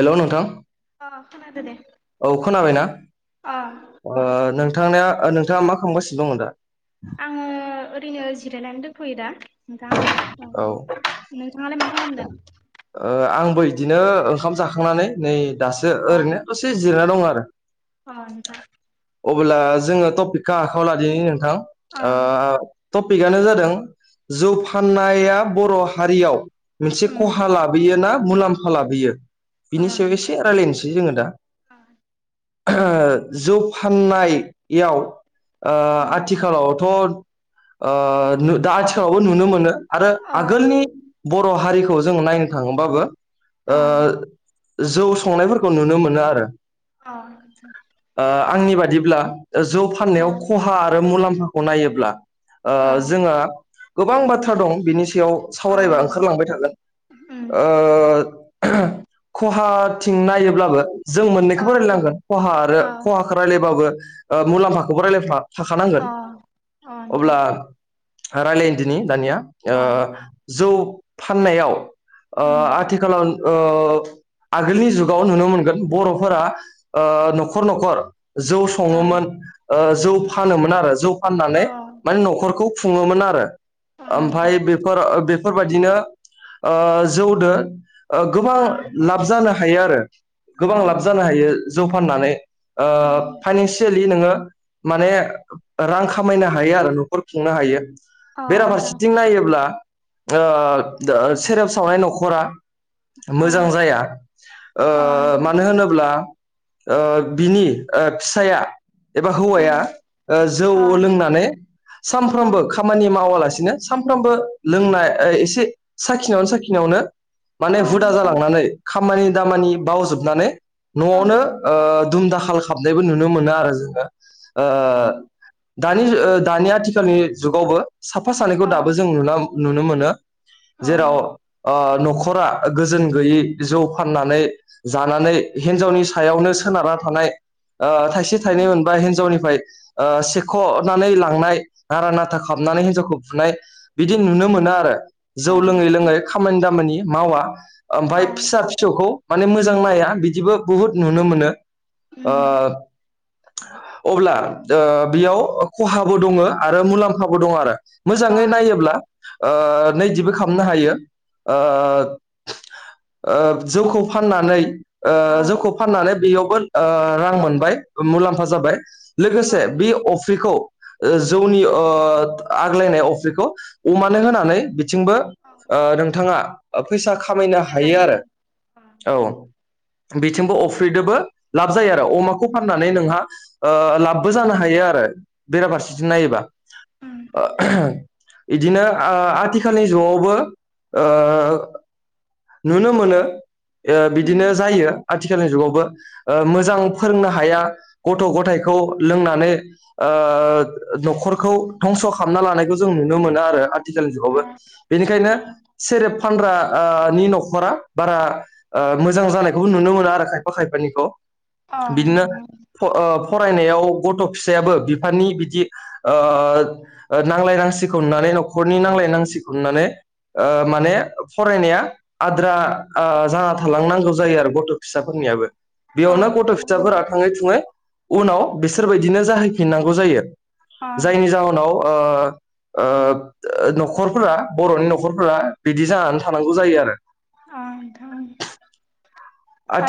हेल नोंथां। अ खोनादो दे औ खोनाबायना अ ओ नों थांनाया नोंथाङा मा खालामगासिनो दं दा? आङो ओरैनो जिरायनानै दोंथयो दा नोंथां औ ओं। नोंथाङालाय मा खालामदों? ओ आंबो बिदिनो ओंखाम जाखांनानै नै दासो अ ओरैनो दसे जि जिरायना दं आरो। अ नोंथां। अब्ला जोङो टपिकखौ आखायाव लादि नोंथां। अ ओ टपिकआनो जादों जौ फाननाया बर' हारियाव मोनसे उम खहा लाबोयो ना मुलाम्फा लाबोयो? अ बिनि सायाव नोंथां एसे रायलायनोसै जोङो दा। अ जौ फाननायाव ओ उम आथिखालावथ' ओ नु दा आथिखालावबो नुनो मोनो आरो अ आगोलनि बर' हारिखौ जों नायनो थाङोबाबो अ ओ जौ संनायफोरखौ नुनो मोनो आरो। औ नोंथां। ओ आंनि बादिब्ला जौ फाननायाव खहा आरो मुलाम्फाखौ नायोब्ला ओ अ जोंहा गोबां बाथ्रा दं बिनि सायाव अ सावरायबा थांबाय थागोन उम ओ खहाथिं नायोब्लाबो जों अ मोननैखौबो नोंथां रायलायनांगोन खहा आरो अ खहाखौ रायलायबाबो मुलाम्फाखौबो रायजलायफा थाखानांगोन अ अ नोंथां अब्ला रायलायदिनि दानिया अ ओ जौ फाननायाव ओ‌ उम आथिखालाव ओ अ आगोलनि जुगाव नुनो मोनगोन बर'फोरा ओ अ न'खर न'खर जौ अ सङोमोन ओ जौ फानोमोन आरो जौ फाननानै अ माने न'खरखौ खुङोमोन आरो ओमफाय नोंथां बेफोर बेफोरबायदिनो ओ जौदो गोबां अ लाब जानो हायो आरो। अ गोबां लाब जानो हायो जौ फाननानै ओ उम फाइनानसियेलि नोङो माने रां खामायनो हायो आरो न'खर खुंनो हायो। अ नोंथां बेराफारसेथिं नायोब्ला ओ ओ सेरेब सावनाय न'खरा अ मोजां जाया। ओ अ नोंथां मानो होनोब्ला ओ बिनि ओ फिसायआ एबा हौवाया उम ओ जौ अ लोंनानै अ सानफ्रामबो खामानि मावालासे सिनो सानफ्रामबो लोंनाय एसे साखिनायावनो साखिनायावनो माने हुदा दोननो जालांनानै खामानि दामानि बावजोबनानै न'आवनो हायो ओ दुम दाखाल खाबनायबो नुनो मोनो आरो जोङो, ओ दानि ओ दानि आथिखालनि जुगावबो साफा सानैखौ दाबो आरो जों नुना नुनो मोनो। जेराव ओ न'खरा गोजोन गैयै जौ फाननानै जानानै हिनजावनि सायावनो सोनारना थानाय ओ थाइसे थाइनै मोनबा हिन्जावनिफ्राय ओ सेख'नानै लांनाय नारा नाथा खालामाबनानै हिनजावखौ बुनाय बिदि नुनो मोनो आरो। जौ लोङै लोङै खामानि दामानि मावा, ओमफाय फिसा फिसौखौ माने मोजां नाया बिदिबो बुहुत नुनो मोनो। ओ अब्ला ओ बेयाव खहाबो दङो आरो मुलाम्फाबो दङ आरो। मोजाङै नायोब्ला ओ नैदिबो खालामनो हायो ओ ओ जौखौ फाननानै ओ जौखौ फाननानै बेयावबो ओ रां मोनबाय मुलाम्फा जाबाय लोगोसे बे अफ्रिखौ ओ जौनि ओ आग्लायनाय अफ्रिखौ अमानो होनानै थिंबो ओ नोंथाङा अ फैसा खामायनो हायो आरो। औ। बिथिंबो अफ्रिदोबो लाब जायो आरो अमाखौ फाननानै नोंहा ओ लाबबो जानो हायो आरो। बेराफारसेथिं नायोबा। बिदिनो ओ आथिखाल आथिखालनि जुगआवबो ओ नुनो मोनो ओ बिदिनो जायो आथिखालनि जुगावबो। ओ मोजां फोरोंनो हाया गथ' गथायखौ लोंनानै ओ न'खरखौ धंस' खालामना लानायखौ जों नुनो मोनो आरो आथिखालनि जुगआवबो बेनिखायनो सेरेप फानग्रा ओ नि न'खरा बारा ओ मोजां जानायखौबो नुनो मोना आरो खायफा खायफानिखौ। बिदिनो ओ फरायनायाव गथ' फिसायाबो बिफानि बिदि ओ नांलाय नांसिखौ नुनानै न'खरनि नांलायनांसिखौ नुनानै ओ माने फरायनाया आद्रा ओ जाना थालांनांगौ जायो आरो गथ' फिसाफोरनियाबो। बेयावनो गथ' फिसाफोरा थाङै थुङै उनाव बिसोरबायदिनो जाहैफिननांगौ जायो। जायनि जाहोनाव ओ ओ ब ओ न'खर नखरफोरा बर'नि न'खरफोरा बिदि जानानै थानांगौ जायो आरो। आ नोंथां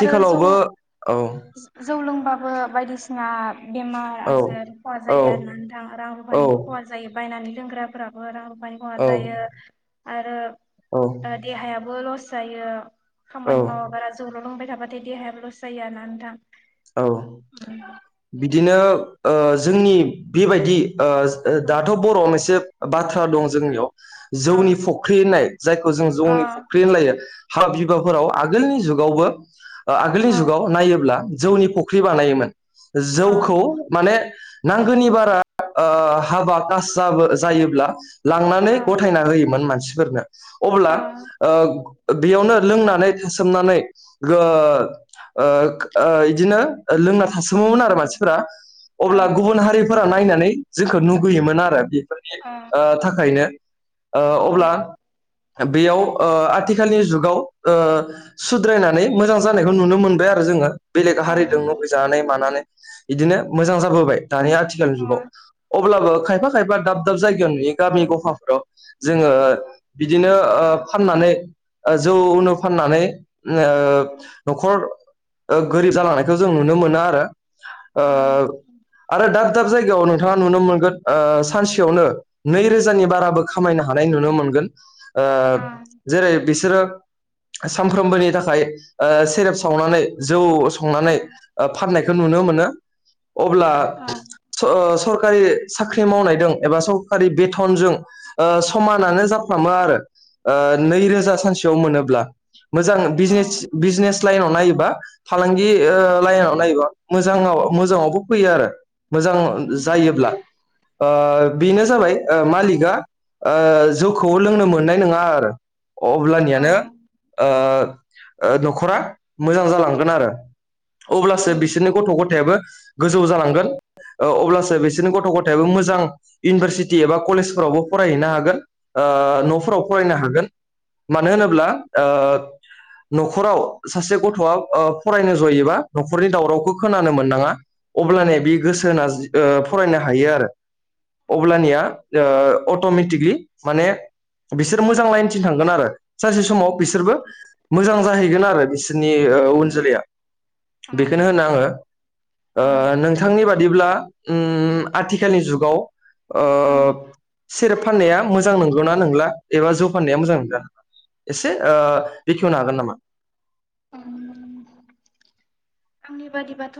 आरो जौ औ जौ लोंबाबो बायदिसिना बेमार औ आजार खहा औ जायो आरो ना नोंथां रां औ रुफानिबो खहा जायो। बायनानै लोंग्राफोराबो रां रुफा ब खहा औ जायो आरो औ ओ देहायाबो लस जायो। औ खामानि मावा गारा जौल' लोंबाय थाबाथाय देहाया लस जायो ना नोंथां। औ बिदिनो ओ जोंनि बेबायदि ओ जदाथ' अ बर'आव मोनसे बाथ्रा दं जोंनियाव जौनि फख्रि होननाय, जायखौ जों जौनि फख्रि अ होनलायो हाबा बिबाफोराव आगोलनि जुगावबो ओ आगोलनि अ जुगाव नायोब्ला जौनि फख्रि बानायोमोन, अ जौखौ माने नांगोनि बारा ओ हाबा कास जाबो जायोब्ला लांनानै अ गथायना होयोमोन मानसिफोरनो। अब्ला अ ओ गं बेयावनो लोंनानै सोमनानै गो ओख ओ इदिनो लोंना थासोमोमोन आरो मानसिफोरा। अब्ला अ गुबुन हारि फोरा नायनानै जोंखौ नमुगैयोमोन आरो बेफोरनि अ ओ थाखायनो। ओ उम अब्ला बेयाव ओ आथिखालनि जुगाव ओ सुद्रायनानै मोजां जानायखौ नुनो मोनबाय आरो जोंङो। बेलेग अ हारिजों मुबगैजानानै मानानै बिदिनो मोजां जाबोबाय दानि आथिखालनि अ जुगाव। अब्लाबो खायफा खायफा दाब दाब जायगायाव नुयो गामि गफाफोराव जोंङो बिदिनो ओ फाननानै जौ उनु फाननानै ओ न'खर ओ गोरिब जालांनायखौ जों नुनो मोनो आरो। ओ अ आरो दा दाब दाब जायगायाव नोंथाङा नुनो मोनगोन ओ सानसेयावनो नैरोजानि बाराबो खामायनो हानाय नुनो मोन नुगोन ओ जेरै बिसोरो सानफ्रोमबोनि थाखाय ओ सेरेब सावनानै जौ संनानै ओ फाननायखौ नुनो मोनो। अब्ला अ स स सरखारि साख्रि मावनायजों एबा सरकारि बेथनजों ओ समानानो जाफ्लामो आरो। ओ नैरोजा सानसेयाव मोनोब्ला। मोजां बिजनेस अ बिजनेस लाइनाव नायोबा फालांगि अ ओ लाइनाव नायोबा मोजाङाव मोजाङावबो फैयो आरो मोजां उम जायोब्ला। ओ बेनो जाबाय ओ मालिकआ ओ जौखौ लोंनो मोननाय नोंङा आरो। अ अब्लानियानो ओ ओ न'खरा मोजां जालांगोन। हागोन आरो अ अब्लासो बिसोरनि गथ' गथायाबो गोजौ जालांगोन। औ अब्लासो बिसोरनि गथ' गथायाबो मोजां इउनिभारसिटि एबा कलेजफोरावबो फरायहैनो हागोन। ओ न'फोराव फरायनो हागोन। मानो उम होनोब्ला ओ न'खराव सासे गथ'आ फरायनो जयोबा नखरनि दावरावखौ खोनानो मोननाङा। अब्लान बे गोसो उम होना ओ फरायनो हायो आरो। अब्लानिया अट'मेटिकलि माने बिसोर मोजां लाइनथिं थांगोन आरो सानसे अ समाव बिसोरबो मोजां जाहैगोन आरो बिसोरनि उन जोलैया बेखौनो होनो आंङो अ नोंथांनि बादै बादिब्ला ओम आथिखालनि जुगाव ओ अ सेरेप फाननाया मोजां नंगौनाा नंला एबा ज' फाननाया मोजां नंला? एसे ओ बेखेवनो हागोन नामा? अ आंनि बादिबाथ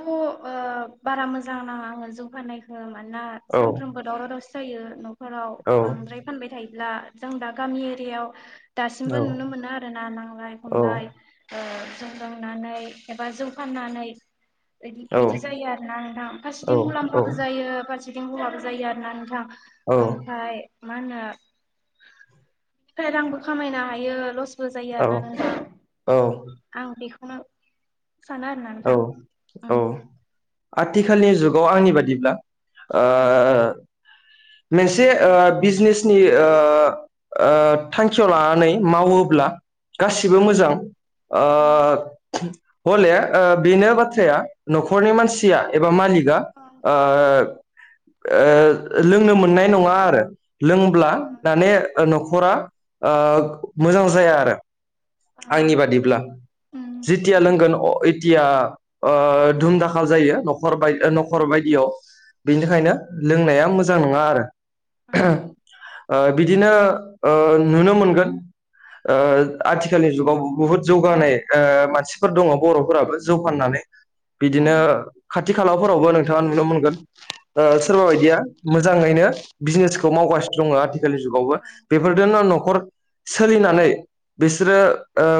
बारा मोजां नाङा आंङो जौगानायखो मानोना औ सानफ्रोमबो दावराव दावसि जायो नखराव औ बांद्राय फानबाय थायोब्ला। जों दा गामि एरियायाव औ दासिमबो नुनो मोनो आरोना नांलाय औ खमलाय जौ लोंनानै एबा जौ फाननानै दि औ बिदि जायो आरोना नोंथां औ फारसेथिं मुलाम्फाबो जायो फारसेथिं खहाबो जायो आरोना नोंथां ओमफ्राय मा होनो बिनिफ्राय रांबो खामायनो हायो लस बो जायो आरोना औ नों औ आं बेखौनो सानो आरोना औ नोंथां औ उम आथिखालनि जुगाव आंनि बादिब्ला ओ मोनसे बिजिनेसनि ओ ओ थांखियाव लानानै मावोब्ला गासिबो ओ मोजां ओ उम बले ओ बेनो बाथ्राया नखरनि मानसिया एबा मालिकआ दानि ओ ओ लोंनो मोननाय नङा आरो लोंब्ला दाने न'खर आ ओ मोजां जाया आरो आंनि बादिब्ला जिथिया लोंगोन एथिया ओ धुमदाखा जायो नखर बा नखर बायदियाव बेनिखायनो लोंनाया मोजां नङा आरो ओ बिदिनो ओ नुनो मोनगोन ओ आथिखालनि जुगाव बुहुत जौगानाय ओ मानसिफोर दङ बरफोराबो जौगाननानै बिदिनो खा थि खालाफोरावबो नोंथाङा नुनो मोनगोन सोरबा बायदिया मोजाङैनो बिजिनेसखौ मावगासिनो दङ आरोखि बेजुगावबो बेफोरजोंनो नखर सोलिनानै बिसोरो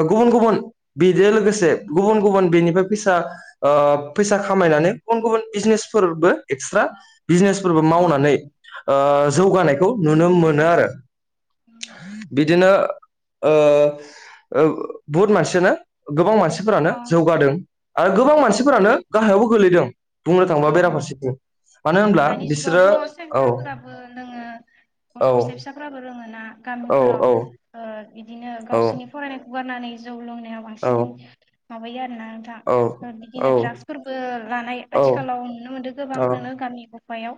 गुबुन गुबुन बेजों लोगोसे गुबुन गुबुन बेनिफ्राय फैसा ओ फैसा खामायनानै गुबुन गुबुन बिजिनेसफोरबो एक्सट्रा बिजनेसफोरबो मावनानै ओ जौगानायखौ नुनो मोनो आरो बिदिनो ओ बहुत मानसियानो गोबां मानसिफोरानो जौगादों आरो गोबां मानसिफोरानो गाहायावबो गोलैदों बुंनो थांबा बेराफारसेथिं मानो होनब्ला दानि बिसोरो जुगावथ' औ सेंग्राफोराबो लोङो औ गथ' फिसा फिसाफोराबो लोङोना औ गामिफोराव ओ बिदिनो औ गावसोरनि फरायनायखौ गारनानै जौ लोंनाय औ बांसिन माबायो आरोना नोंथां औ बिदिनो द्रागसफोरबो लानाय आथिखालाव नुनो मोनदों गोबांखौनो गामि गफायाव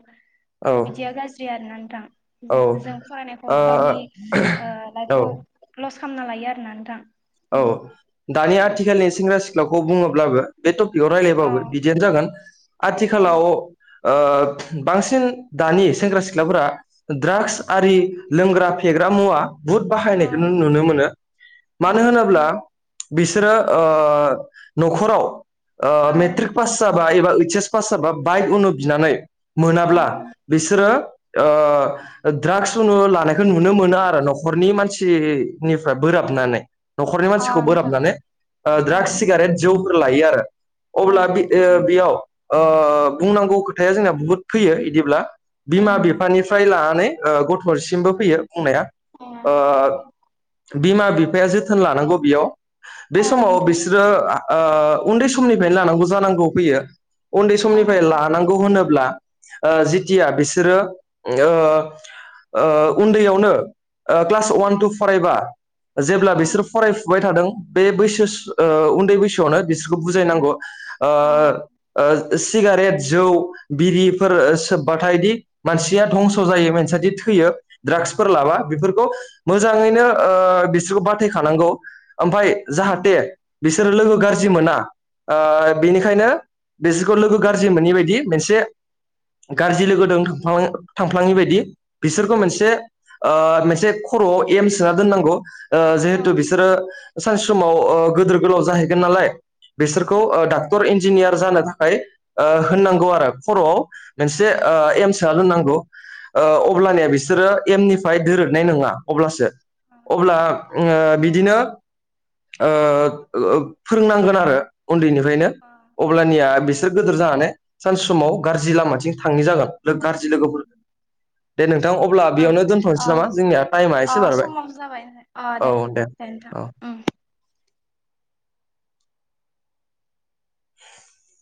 औ बिदिया गाज्रि आरोना नोंथां जों फरायनायखौ गावनि ओ ओ औ लाइफखौ लस खालामना लायो आरोना नोंथां औ दानि आथिखालनि सेंग्रा सिख्लाखौ बुङोब्लाबो बेयाव रायज्लायबाबो औ बिदियानो जागोन औ आथिखालाव ओ बांसिन दानि सेंग्रा सिख्लाफोरा ड्राग्स अ आरि लोंग्रा फेग्रा मुवा बुहुद बाहायनायखौ अ नुनो मोनो अ मानो नोंथां होनोब्ला बिसोरो ओ न'खराव अ मेट्रिक पास जा बा एबा इस एस पास जाबा बाइक उनु बिनानै अ मोनाब्ला बिसोरो अ द्राग्सखौ लानायखौ नुनो मोनो आरो न'खरनि मानसिनिफ्राय बोराफ बनानै न'खरनि अ मानसिखौ नोंथां बोराबनानै अ द्रागस सिगारेट जौफोर लायो आरो अ अब्ला बि नोंथां बेयाव ओ बुंनांगौ खोथाया जोंना बुहुद फैयो इदिब्ला बिमा उम बिफानिफ्राय लानानै अ गथ'सिमबो फैयो बुंनाया अ बिमा बिफाया जोथोन लानांगौ बेयाव बे अ समाव नोंथां बिसोरो ओ उन्दै समनिफ्रायनो लानांगौ जानांगौ फैयो उन्दै अ समनिफ्राय नोंथां लानांगौ होनोब्ला जिथिया बिसोरो अ अ उन्दैयावनो ओ क्लास वान तु फरायबा जेब्ला अ बिसोर फराय फुबाय थादों बे बैसो ओ उन्दै बैसोयावनो बुजायनांगौ ओ अ अ सिगारेट जौ बिरिफोर सोबबाथाय दि मानसिया धंस' जायो मानसियादि थैयो अ ड्राग्सफोर लाबा बेफोरखौ मोजाङैनो अ बिसोरखौ बथायखानांगौ ओमफाय अ जाहाथे बिसोरो लोगो गाज्रि मोना अ बेनिखायनो बेसोरखौ लोगो गाज्रि मोनै बायदि मोनसे गाज्रि लोगो दां थांफ्लाङि बायदि बिसोरखौ मोनसे अ मोनसे खर'आव एम सोना दोननांगौ अ जेहे सानसे समाव अ गोदोर गोलाव जाहैगोन नालाय बिसोरखौ अ डाक्टर इन्जिनियार जानो थाखाय अ होननांगौ आरो खर'आव मोनसे अ एम सोना दोननांगौ अ अब्लानिया बिसोरो एम निफ्राय दोरनाय नङा अब्लासो अब्ला अ बिदिनो अ फोरोंनांगोन आरो उन्दैनिफ्रायनो अब्लानिया बिसोर गोदोर जानानै सान समाव गाज्रि लामाथिं थांयि जागोन लोग नोंथां अब्ला अ बेयावनो अ दोनथ'नोसै नामा जोंनिया टाइमा अ एसे बारबाय समाबो जाबाय अ औ दे नोंथां औ उम। [unintelligible]